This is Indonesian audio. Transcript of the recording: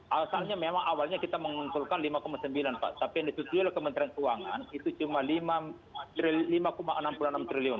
asalnya memang awalnya kita mengumpulkan rp lima sembilan triliun pak tapi yang ditutupi oleh kementerian keuangan itu cuma rp lima enam triliun